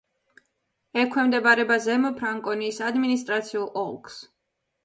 ექვემდებარება ზემო ფრანკონიის ადმინისტრაციულ ოლქს.